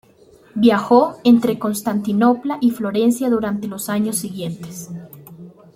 Viajó entre Constantinopla y Florencia durante los años siguientes.